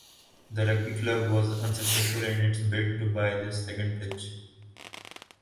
The rugby club was unsuccessful in its bid to buy this second pitch.